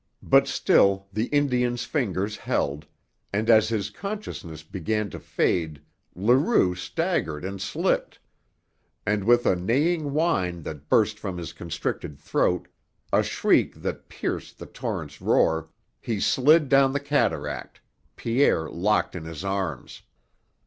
But still the Indian's fingers held, and as his consciousness began to fade Leroux staggered and slipped; and with a neighing whine that burst from his constricted throat, a shriek that pierced the torrent's roar, he slid down the cataract, Pierre locked in his arms.